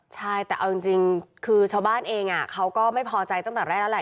ใช่แต่เอาจริงคือชาวบ้านเองเขาก็ไม่พอใจตั้งแต่แรกแล้วแหละ